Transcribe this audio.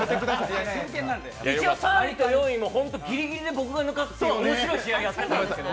一応、３位と４位もギリギリで僕が抜かすという面白い試合やってたんですけど。